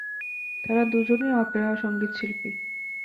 তারা দুজনেই অপেরা সঙ্গীতশিল্পী।